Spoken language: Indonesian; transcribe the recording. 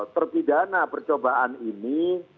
terpidana percobaan ini